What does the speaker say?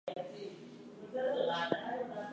West was born in the United States.